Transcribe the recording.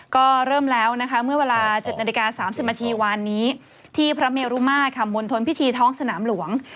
ก็เริ่มแล้วเมื่อเวลา๗๓๐วันนี้ที่พระเมรุมาตรมนตนพิธีท้องสนามหลวง